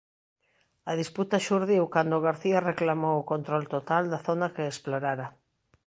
A disputa xurdiu cando García reclamou o control total da zona que explorara.